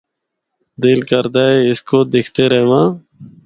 دل کردا اے اس کو دِکھدے رہواں۔